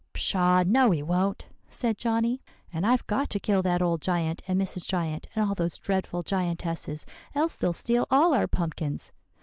"'Pshaw! no, he won't!' said Johnny; 'and I've got to kill that old giant and Mrs. Giant and all those dreadful giantesses, else they'll steal all our pumpkins.